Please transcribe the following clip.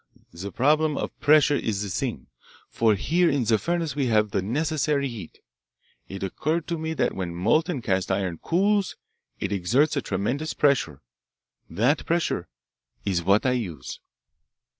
The problem of pressure is the thing, for here in the furnace we have the necessary heat. It occurred to me that when molten cast iron cools it exerts a tremendous pressure. That pressure is what I use."